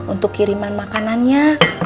untuk kiriman makanannya